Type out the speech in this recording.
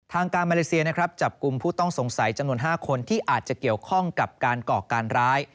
ทางการมาเลเซียนะครับจับกลุ่มผู้ต้องสงสัยจำนวน๕คนที่อาจจะเกี่ยวข้องกับการก่อการร้าย